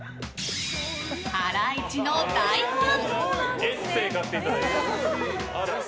ハライチの大ファン！